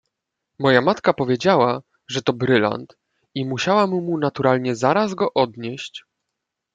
"Moja matka powiedziała, że to brylant i musiałam mu naturalnie zaraz go odnieść."